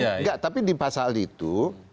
enggak tapi di pasal itu